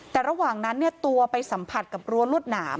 แต่ระหว่างนั้นตัวไปสัมผัสกับรั้วรวดหนาม